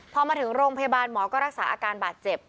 พอมาถึงโรงพยาบาลหมอก็รักษาอาการบาดเจ็บ